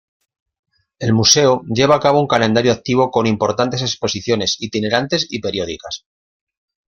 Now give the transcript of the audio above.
El museo lleva a cabo un calendario activo con importantes exposiciones itinerantes y periódicas.